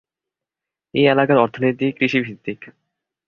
এই এলাকার অর্থনীতি কৃষি ভিত্তিক।